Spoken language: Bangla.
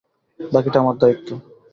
বাকিটা আমার দায়িত্ব।